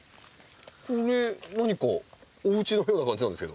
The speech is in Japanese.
これ何かおうちのような感じなんですけど。